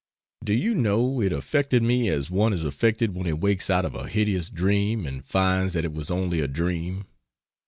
Do you know it affected me as one is affected when he wakes out of a hideous dream and finds that it was only a dream.